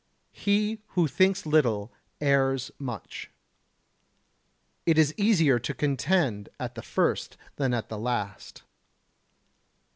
He who thinks little errs much. It is easier to contend at the first than at the last.